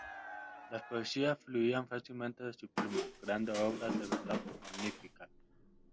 Las poesías fluían fácilmente de su pluma, creando obras de verdad magníficas.